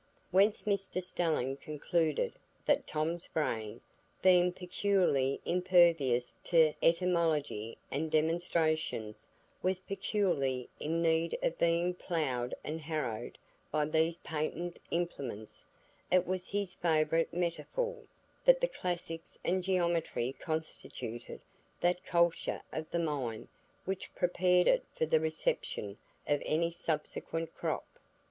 Whence Mr Stelling concluded that Tom's brain, being peculiarly impervious to etymology and demonstrations, was peculiarly in need of being ploughed and harrowed by these patent implements; it was his favourite metaphor, that the classics and geometry constituted that culture of the mind which prepared it for the reception of any subsequent crop.